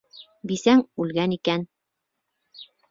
Бисәң үлгән икән.